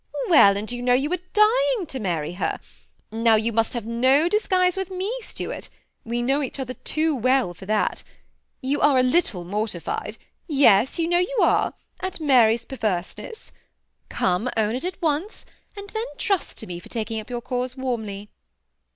" Well, and you know you are dying to marry her. Now you must have no disguise with me, Stuart ; we know each other too well for that. You are a little mortified — yes, you know you are — at Mary's per 186 THE SEMI ATTACHED COUPLE, Terseness. Come, own it at onoe, and then trust to me for taking up your cause warmly."